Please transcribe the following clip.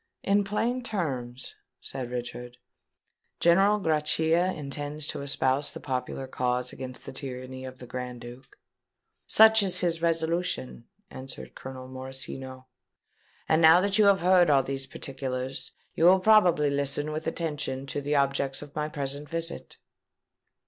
"In plain terms," said Richard, "General Grachia intends to espouse the popular cause against the tyranny of the Grand Duke?" "Such is his resolution," answered Colonel Morosino. "And now that you have heard all these particulars, you will probably listen with attention to the objects of my present visit."